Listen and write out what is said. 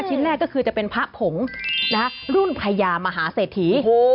ชิ้นแรกก็คือจะเป็นพระผงรุ่นพญามหาเศรษฐี